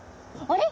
あれ？